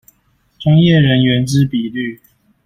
專業人員之比率